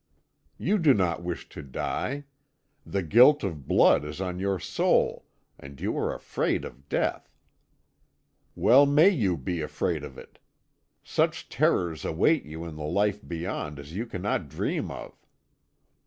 You do not wish to die; the guilt of blood is on your soul, and you are afraid of death. Well may you be afraid of it. Such terrors await you in the life beyond as you cannot dream of.